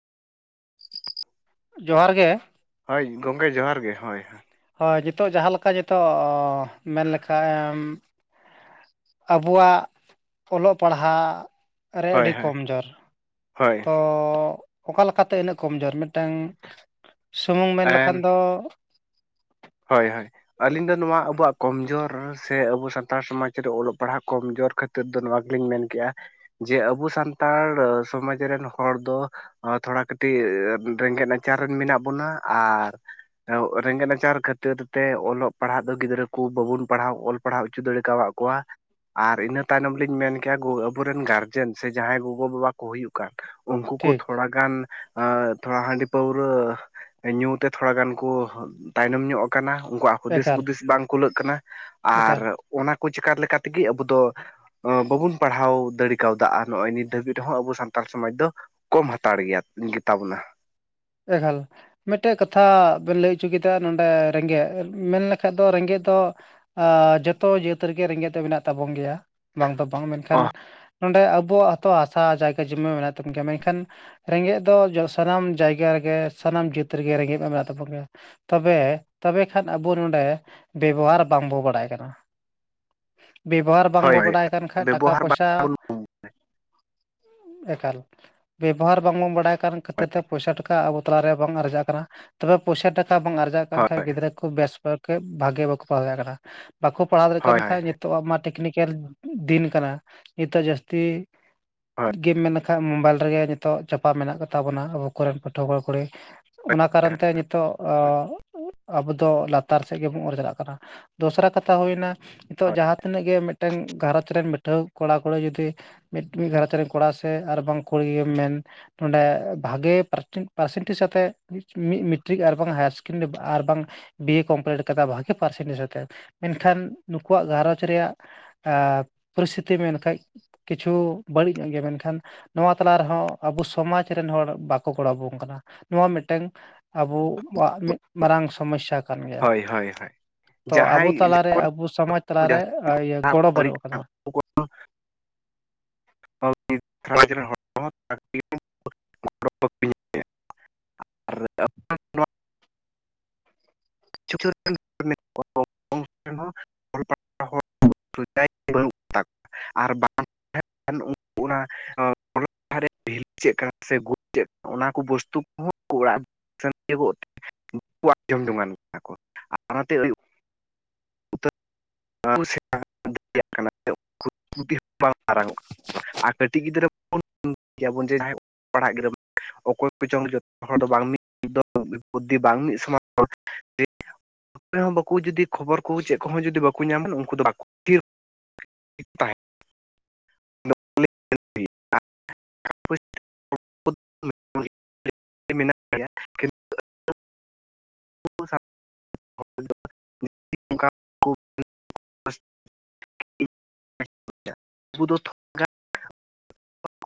ᱡᱚᱦᱟᱨ ᱜᱮ ᱦᱳᱭ ᱜᱚᱝᱠᱮ ᱡᱚᱦᱟᱨ ᱜᱮ ᱦᱳᱭ ᱦᱳᱭ ᱦᱳᱭ ᱡᱮᱛᱚᱜ ᱡᱟᱦᱟᱸ ᱞᱮᱠᱟ ᱡᱮᱛᱚᱜ ᱢᱮᱱ ᱞᱮᱠᱷᱟᱢ ᱟᱵᱚᱣᱟᱜ ᱚᱞᱚᱜ ᱯᱟᱲᱦᱟᱜ ᱨᱮ ᱦᱳᱭ ᱟᱹᱰᱤ ᱦᱳᱭ ᱠᱚᱢᱡᱳᱨ ᱦᱳᱭ ᱛᱚ ᱚᱠᱟ ᱞᱮᱠᱟᱛᱮ ᱤᱱᱟᱹᱜ ᱠᱚᱢ ᱡᱳᱨ ᱢᱤᱫᱴᱟᱹᱝ ᱥᱩᱢᱩᱝ ᱢᱮᱱ ᱞᱮᱠᱷᱟᱱ ᱮᱱ ᱫᱚ ᱦᱳᱭ ᱦᱳᱭ ᱟᱹᱞᱤᱧ ᱫᱚ ᱱᱚᱣᱟ ᱟᱵᱚᱣᱟᱜ ᱠᱚᱢᱡᱳᱨ ᱥᱮ ᱟᱵᱚ ᱥᱟᱱᱛᱟᱲ ᱥᱚᱢᱟᱡᱽ ᱨᱮ ᱚᱞᱚᱜ ᱯᱟᱲᱦᱟᱜ ᱠᱚᱢᱡᱳᱨ ᱠᱷᱟᱹ ᱛᱤᱨ ᱫᱚ ᱱᱚᱣᱟ ᱜᱮᱞᱤᱧ ᱢᱮᱱ ᱠᱮ-ᱟ ᱡᱮ ᱟᱵᱚ ᱥᱟᱱᱛᱟᱲ ᱥᱚᱢᱟᱡᱽ ᱨᱮᱱ ᱦᱚᱲ ᱫᱚ ᱛᱷᱚᱲᱟ ᱠᱟᱹᱴᱤᱡ ᱨᱮᱸᱜᱮᱡ ᱱᱟᱪᱟᱨ ᱨᱮᱱ ᱢᱮᱱᱟᱜ ᱵᱚᱱᱟ ᱟᱨ ᱨᱮᱜᱮᱡ ᱱᱟᱪᱟᱨ ᱠᱷᱟᱹ ᱛᱤᱨ ᱛᱮ ᱚᱞᱚᱜ ᱯᱟᱲᱦᱟᱜ ᱫᱚ ᱜᱤᱫᱽᱨᱟᱹ ᱠᱩ ᱵᱟᱵᱩᱱ ᱯᱟᱲᱦᱟᱣ ᱚᱞ ᱯᱟᱲᱦᱟᱣ ᱚᱪᱩ ᱫᱟᱲᱮ ᱠᱟᱣᱟᱫ ᱠᱚᱣᱟ ᱟᱨ ᱤᱱᱟᱹ ᱛᱟᱭᱱᱚᱢ ᱞᱤᱧ ᱢᱮᱱ ᱠᱮᱭᱟ ᱜᱳ ᱟᱵᱚᱨᱮᱱ ᱜᱟᱨᱡᱮᱱ ᱥᱮ ᱡᱟᱦᱟᱸᱭ ᱜᱚᱜᱚ ᱵᱟᱵᱟ ᱠᱚ ᱦᱩᱭᱩᱜ ᱠᱟᱱ ᱩᱱᱠᱩ ᱠᱚ ᱴᱷᱤᱠ ᱛᱷᱚᱲᱟ ᱜᱟᱱ ᱛᱷᱚᱲᱟ ᱦᱟᱺᱰᱤ ᱯᱟᱹᱣᱨᱟᱹ ᱧᱩ ᱛᱮ ᱛᱷᱚᱲᱟ ᱜᱟᱱ ᱠᱚ ᱛᱟᱭᱱᱚᱢ ᱧᱚᱜ ᱠᱟᱱᱟ ᱩᱱᱠᱩ ᱟᱜ ᱦᱩᱫᱤᱥ ᱮᱠᱟᱞ ᱵᱩᱫᱤᱥ ᱵᱟᱝ ᱠᱩᱞᱟᱹᱜ ᱠᱟᱱᱟ ᱮᱠᱟᱞ ᱟᱨ ᱚᱱᱟ ᱠᱚ ᱪᱮᱠᱟ ᱞᱮᱠᱟ ᱛᱮᱜᱮ ᱟᱵᱩ ᱫᱚ ᱵᱟᱵᱩᱱ ᱯᱟᱲᱦᱟᱣ ᱫᱟᱲᱤ ᱠᱟᱣᱫᱟ ᱟᱨ ᱱᱚᱜ-ᱚᱭ ᱱᱤᱛ ᱫᱷᱟᱹᱵᱤᱡ ᱨᱮᱦᱚᱸ ᱟᱵᱚ ᱥᱟᱱᱛᱟᱞ ᱥᱚᱢᱟᱡᱽ ᱫᱚ ᱠᱚᱢ ᱦᱟᱛᱟᱲ ᱜᱮᱭᱟ ᱜᱮᱛᱟ ᱵᱚᱱᱟ᱾ ᱮᱠᱟᱞ ᱢᱮᱴᱮᱡ ᱠᱟᱛᱷᱟ ᱵᱮᱱ ᱞᱟᱹᱭ ᱩᱪᱚ ᱠᱮᱫᱟ ᱱᱚᱰᱮ ᱨᱮᱸᱜᱮᱡ ᱢᱮᱱ ᱞᱮᱠᱷᱟᱡ ᱫᱚ ᱨᱮᱸᱜᱮᱡ ᱫᱚ ᱡᱚᱛᱚ ᱡᱟᱹᱛ ᱨᱮᱜᱮ ᱨᱮᱸᱜᱮᱡ ᱫᱚ ᱢᱮᱱᱟᱜ ᱛᱟᱵᱚᱱ ᱜᱮᱭᱟ ᱵᱟᱝ ᱫᱚ ᱵᱟᱝ ᱢᱮᱱᱠᱷᱟᱱ ᱚ ᱱᱚᱰᱮ ᱟᱵᱩᱣᱟᱜ ᱦᱚᱛᱚ ᱦᱟᱥᱟ ᱡᱟᱭᱜᱟ ᱡᱚᱢᱤ ᱢᱮᱱᱟᱜ ᱛᱟᱵᱚᱱ ᱜᱮᱭᱟ ᱢᱮᱱᱠᱷᱟᱱ ᱨᱮᱸᱜᱮᱡ ᱫᱚ ᱥᱟᱱᱟᱢ ᱡᱟᱭ ᱜᱟ ᱨᱮᱜᱮ ᱥᱟᱱᱟᱢ ᱡᱟᱹᱛ ᱨᱮᱜᱮ ᱨᱮᱸᱜᱮᱡ ᱢᱟ ᱢᱮᱱᱟᱜ ᱛᱟᱵᱚᱱ ᱜᱮ ᱛᱚᱵᱮ ᱛᱚᱵᱮ ᱠᱷᱟᱱ ᱟᱵᱚ ᱱᱚᱰᱮ ᱵᱮᱵᱚᱦᱟᱨ ᱵᱟᱝᱵᱚ ᱵᱟᱲᱟᱭ ᱠᱟᱱᱟ᱾ ᱵᱮᱵᱚᱦᱟᱨ ᱵᱟᱝᱵᱚ ᱦᱳᱭ ᱵᱟᱰᱟᱭ ᱠᱟᱱ ᱠᱷᱟᱡ ᱴᱟᱠᱟ ᱵᱮᱵᱚᱦᱟᱨ ᱯᱚᱭᱥᱟ ᱵᱟᱝᱵᱚᱱ ᱮᱠᱟᱞ ᱵᱮᱵᱚᱦᱟᱨ ᱵᱟᱝᱵᱚᱱ ᱵᱟᱰᱟᱭ ᱠᱟᱱ ᱠᱷᱟᱹᱛᱤᱨ ᱛᱮ ᱯᱚᱭᱥᱟ ᱴᱟ ᱠᱟ ᱟᱵᱚ ᱛᱟᱞᱟᱨᱮ ᱵᱟᱝ ᱟᱨᱡᱟᱜ ᱠᱟᱱᱟ ᱛᱚᱵᱮ ᱯᱚᱭᱥᱟ ᱴᱟᱠᱟ ᱵᱟᱝ ᱟᱨᱡᱟᱜ ᱠᱟᱱ ᱠᱷᱟᱡ ᱦᱳᱭ ᱜᱤᱫᱽᱨᱟᱹ ᱠᱩ ᱵᱮᱥ ᱵᱟᱠᱚ ᱵᱷᱟᱜᱮ ᱵᱟᱠᱚ ᱯᱟᱲᱦᱟᱣ ᱫᱟᱲᱭᱟᱜ ᱠᱟᱱᱟ ᱵᱟᱠᱚ ᱯᱟᱲᱦᱟᱣ ᱫᱟᱲᱮᱜ ᱦᱳᱭ ᱠᱟᱱ ᱦᱳᱭ ᱠᱷᱟᱡ ᱱᱤᱛᱚ ᱟᱜ ᱢᱟ ᱴᱮᱠᱱᱤᱠᱮᱞ ᱫᱤᱱ ᱠᱟᱱᱟ ᱱᱤᱛᱚᱜ ᱡᱟᱹᱥᱛᱤ ᱜᱮᱢ ᱢᱮ ᱮᱱᱠᱷᱟᱡ ᱢᱳᱵᱟᱭᱤᱞ ᱨᱮᱜᱮ ᱱᱤᱛᱚᱜ ᱪᱟᱯᱟ ᱢᱮᱱᱟᱜ ᱠᱚᱛᱟ ᱵᱚᱱᱟ ᱟᱵᱚ ᱠᱚᱨᱮᱱ ᱯᱟᱹᱴᱷᱩᱣᱟᱹ ᱠᱩᱲᱟ ᱠᱚᱲᱤ᱾ ᱚᱱᱟ ᱠᱟᱨᱚᱱ ᱛᱮ ᱱᱤᱛᱚᱜ ᱟᱵᱚ ᱫᱚ ᱞᱟᱛᱟᱨ ᱥᱮᱫ ᱜᱮᱵᱚᱱ ᱚᱨ ᱪᱟᱞᱟᱜ ᱠᱟᱱᱟ᱾ ᱫᱚᱥᱨᱟ ᱠᱟᱛᱷᱟ ᱦᱩᱭᱱᱟ ᱱᱤᱛᱚᱜ ᱦᱳᱭ ᱡᱟᱦᱟᱸ ᱛᱤᱱᱟᱹᱜ ᱜᱮ ᱢᱮᱫᱴᱮᱝ ᱜᱷᱟᱨᱚᱸᱡ ᱨᱮᱱ ᱵᱤᱴᱷᱟᱹ ᱠᱚᱲᱟ ᱠᱩᱲᱤ ᱡᱩᱫᱤ ᱢᱤᱫ ᱢᱤᱫ ᱜᱷᱟᱨᱚᱸᱡᱽ ᱨᱮ ᱠᱚᱲᱟ ᱥᱮ ᱟᱨ ᱵᱟᱝ ᱠᱩᱲᱤ ᱜᱮᱢ ᱢᱮᱱ ᱱᱚᱰᱮ ᱵᱷᱟᱜᱮ ᱯᱟᱨ ᱯᱟᱨᱥᱮᱱᱴᱮᱥ ᱟᱛᱮᱜ ᱢᱤᱫ ᱢᱮᱴᱨᱤᱠ ᱟᱨ ᱵᱟᱝ ᱦᱟᱭᱟᱨ ᱥᱮᱠᱮᱱᱰᱟᱨᱤ ᱟᱨ ᱵᱟᱝ ᱵᱤᱭᱮ ᱠᱚᱢᱯᱤᱞᱤᱴ ᱠᱟᱫᱟ ᱵᱷᱟᱜᱮ ᱯᱟᱨᱥᱮᱱᱮᱥ ᱟᱛᱮᱜ ᱢᱮᱱᱠᱷᱟᱱ ᱱᱩᱠᱩᱣᱟᱜ ᱜᱷᱟᱨᱚᱧᱡᱽ ᱨᱮᱭᱟᱜ ᱯᱚᱨᱤᱥᱛᱷᱤᱛᱤ ᱢᱮᱱ ᱠᱷᱟᱡ ᱠᱤᱪᱷᱩ ᱵᱟᱹᱲᱤᱡ ᱧᱚᱜ ᱜᱮᱭᱟ ᱢᱮᱱᱠᱷᱟᱱ ᱱᱚᱣᱟ ᱛᱟᱞᱟ ᱨᱮᱦᱚᱸ ᱟᱵᱚ ᱥᱚᱢᱟᱡᱽ ᱨᱮᱱ ᱦᱚᱲ ᱵᱟᱠᱚ ᱜᱚᱲᱚ ᱵᱚ ᱠᱟᱱᱟ ᱱᱚᱣᱟ ᱢᱤᱫᱴᱮᱝ ᱟᱵᱚᱣᱟᱜ ᱢᱤᱫ ᱢᱟᱨᱟᱝ ᱥᱚᱢᱚᱥᱥᱟ ᱠᱟᱱ ᱜᱮᱭᱟ ᱦᱳᱭ ᱦᱳᱭ ᱦᱳᱭ ᱛᱚ ᱟᱵᱚ ᱡᱟᱦᱟᱸᱭ ᱛᱟᱞᱟᱨᱮ ᱡᱚᱠᱷᱚᱱ ᱟᱵᱩ ᱥᱚᱢᱟᱡᱽ ᱛᱟᱞᱟᱨᱮ ᱤᱭᱟᱹ ᱜᱚᱲᱚ ᱵᱟᱹᱲᱤᱡ ᱵᱟᱹᱱᱩᱜ ᱠᱟᱱᱟ ᱟᱠᱟᱫᱟ᱾ ᱩᱱᱠᱩ [unintelligible] [unintelligible] ᱱᱚᱣᱟ [unintelligible] [unintelligible] [unintelligible] ᱚᱱᱟ ᱠᱚ ᱵᱚᱥᱛᱩ ᱠᱚᱦᱚᱸ ᱚᱲᱟᱜ [unintelligible] ᱩᱛᱟᱹᱨ [unintelligible] ᱟᱨ ᱠᱟᱹᱴᱤᱡ ᱜᱤᱫᱽᱨᱟᱹ [unintelligible] ᱡᱟᱦᱟᱸᱭ ᱯᱟᱲᱦᱟᱜ ᱜᱤᱫᱽᱨᱟᱹᱼᱼ ᱚᱠᱚᱭ ᱠᱚᱪᱚᱝ ᱡᱚᱛᱚ ᱦᱚᱲ ᱫᱚ ᱵᱟᱝ ᱢᱤᱫ [unintelligible] ᱵᱟᱝ ᱢᱤᱫ ᱥᱚᱢᱟᱱᱼᱼ ᱟᱯᱮ ᱦᱚᱸ ᱵᱟᱠᱩ ᱡᱩᱫᱤ ᱠᱷᱚᱵᱚᱨ ᱼᱼ ᱠᱩ ᱪᱮᱫ ᱠᱚᱦᱚᱸ ᱡᱩᱫᱤ ᱵᱟᱠᱚ ᱧᱟᱢᱟ ᱩᱱᱠᱩ ᱫᱚ ᱵᱟᱠᱚ [unintelligible] ᱛᱟᱦᱮᱼᱼ [unintelligible] ᱢᱮᱱᱟᱜ ᱭᱮᱭᱟ [unintelligible] [unintelligible] ᱠᱟ [unintelligible] [unintelligible] ᱩᱱᱠᱩ ᱫᱚᱼᱼ